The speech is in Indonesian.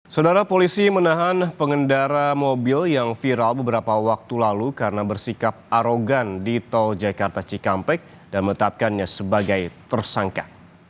saudara polisi menahan pengendara mobil yang viral beberapa waktu lalu karena bersikap arogan di tol jakarta cikampek dan menetapkannya sebagai tersangka